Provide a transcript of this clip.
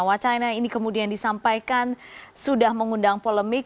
wacana ini kemudian disampaikan sudah mengundang polemik